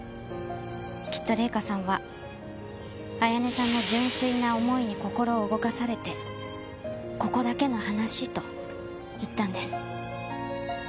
きっと礼香さんは彩音さんの純粋な思いに心を動かされて「ここだけの話」と言ったんです。